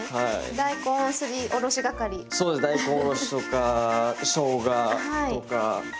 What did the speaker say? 大根おろしとかしょうがとか。